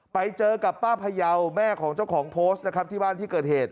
ไปเจอกับป้าพยาวแม่ของเจ้าของโพสต์นะครับที่บ้านที่เกิดเหตุ